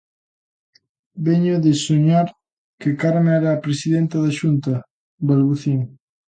Veño de soñar que Carme era a Presidenta da Xunta, balbucín.